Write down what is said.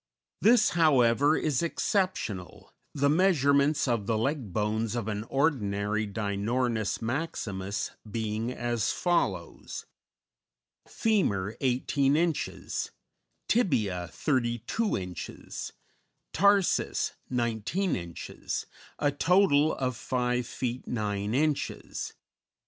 This, however, is exceptional, the measurements of the leg bones of an ordinary Dinornis maximus being as follows: Femur, 18 inches; tibia, 32 inches; tarsus, 19 inches, a total of 5 feet 9 inches.